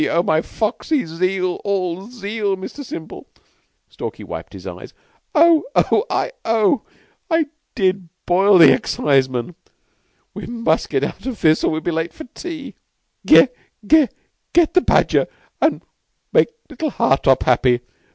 Oh, my Foxy! Zeal, all zeal, Mr. Simple." Stalky wiped his eyes. "Oh! Oh! Oh! 'I did boil the exciseman!' We must get out of this or we'll be late for tea." "Ge Ge get the badger and make little Hartopp happy.